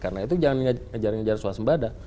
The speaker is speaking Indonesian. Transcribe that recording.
karena itu jangan ngejar ngejar suasembada